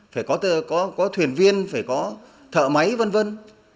phải có thuyền viên phải có thợ máy vân vân